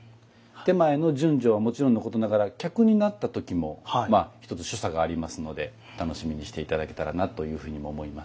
点前の順序はもちろんのことながら客になった時も一つ所作がありますので楽しみにして頂けたらなというふうにも思います。